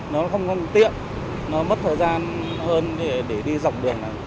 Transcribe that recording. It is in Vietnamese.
nó không tiện nó mất thời gian hơn để đi dọc đường này